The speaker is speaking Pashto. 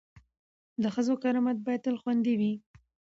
د ښځو کرامت باید تل خوندي وي.